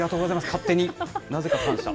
勝手になぜか感謝。